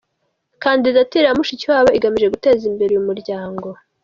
Kandidatire ya Mushikiwabo igamije guteza imbere uyu muryango”.